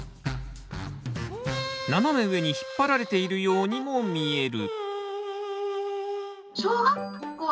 斜め上に引っ張られているようにも見える。